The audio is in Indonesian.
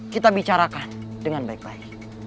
kita bicarakan dengan baik baik